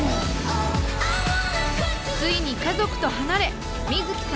ついに家族と離れ瑞樹さん